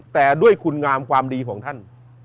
แต่ด้วยคุณงามความดีของท่าน